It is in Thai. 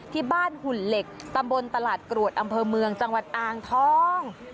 หุ่นเหล็กตำบลตลาดกรวดอำเภอเมืองจังหวัดอ่างทอง